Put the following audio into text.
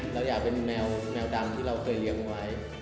เราอยากเป็นแมวดำที่เราเคยเลี้ยงไว้